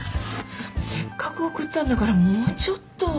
せっかく送ったんだからもうちょっと。